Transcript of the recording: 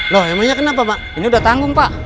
loh emangnya kenapa pak ini udah tanggung pak